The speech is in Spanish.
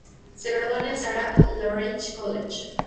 Se graduó en el Sarah Lawrence College.